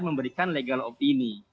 memberikan legal opini